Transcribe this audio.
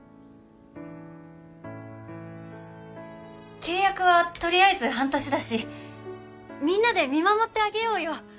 契約は取りあえず半年だしみんなで見守ってあげようよ。